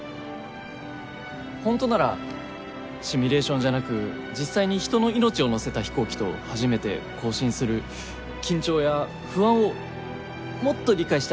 本当ならシミュレーションじゃなく実際に人の命を乗せた飛行機と初めて交信する緊張や不安をもっと理解してあげなきゃいけなかったのに申し訳ない。